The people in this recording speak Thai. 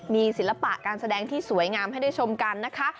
มีศิลปะการแสดงที่สวยงามให้ได้ชมกันนะคะ